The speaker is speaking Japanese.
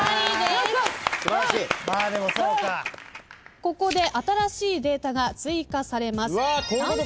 ここで新しいデータが追加されます。